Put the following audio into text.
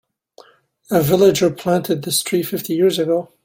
A villager planted this tree fifty years ago.